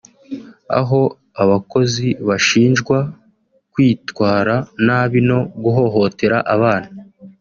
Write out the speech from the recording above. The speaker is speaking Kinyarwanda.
aho abakozi bashinjwa kwitwara nabi no guhohotera abana